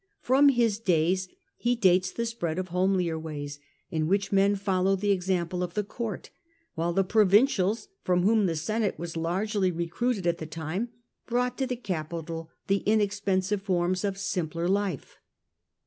From his days he dates the spread of homelier ways, in which men followed the example of the court, while the provincials, from whom the Senate was largely recruited at the time, brought to the capital the inexpensive foi*ms of simpler life.